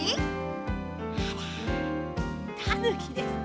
たぬきですって。